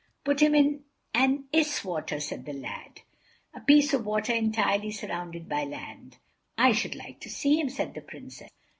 "Put him in an Iswater," said the lad, "a piece of water entirely surrounded by land." "I should like to see him," said the Princess.